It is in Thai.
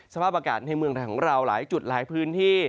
สภาพอากาศในเมืองไทยของเราหลายจุดหลายพื้นที่